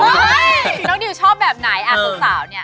น้องดิวชอบแบบไหนอะสัตว์